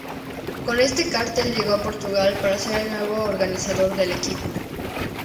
Con ese cartel llegó a Portugal, para ser el nuevo organizador del equipo.